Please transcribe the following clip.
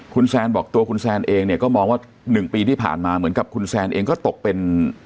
คุณแซนบอกตัวคุณแซนเองเนี่ยก็มองว่า๑ปีที่ผ่านมาเหมือนกับคุณแซนเองก็ตกเป็น